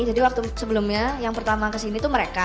jadi waktu sebelumnya yang pertama kesini tuh mereka